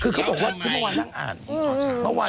เออเขารี